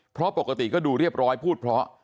เพราะปกติก็ดูเรียบร้อยพูดเพราะ